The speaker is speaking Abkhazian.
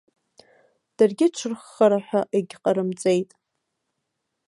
Даргьы ҽырххара ҳәа егьҟарымҵеит.